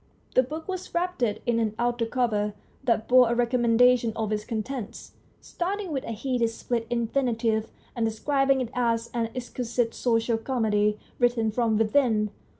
The book was wrapped in an outer cover that bore a recommendation of its contents, starting with a hideous split infinitive and describing it as an exquisite social comedy written from within.